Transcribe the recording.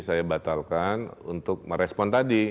saya batalkan untuk merespon tadi